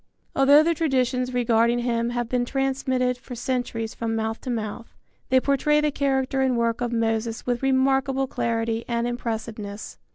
Although the traditions regarding him have been transmitted for centuries from mouth to mouth, they portray the character and work of Moses with remarkable clarity and impressiveness.